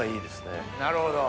なるほど。